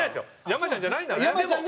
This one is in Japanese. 山ちゃんじゃないんだ。